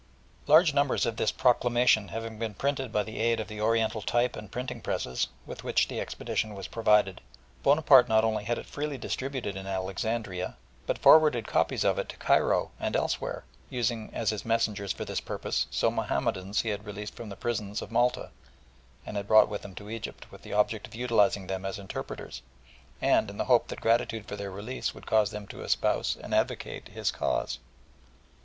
Large numbers of this proclamation having been printed by the aid of the Oriental type and printing presses, with which the expedition was provided, Bonaparte not only had it freely distributed in Alexandria, but forwarded copies of it to Cairo and elsewhere, using as his messengers for this purpose some Mahomedans he had released from the prisons of Malta, and had brought with him to Egypt, with the object of utilising them as interpreters, and in the hope that gratitude for their release would cause them to espouse and advocate his cause.